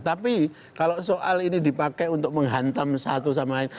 tapi kalau soal ini dipakai untuk menghantam satu sama lain